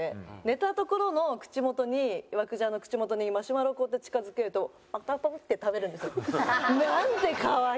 寝たところの口元にイワクラちゃんの口元にマシュマロをこうやって近付けるとパクパクパクって食べるんですよ。なんて可愛い！